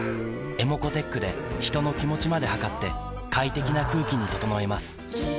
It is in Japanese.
ｅｍｏｃｏーｔｅｃｈで人の気持ちまで測って快適な空気に整えます三菱電機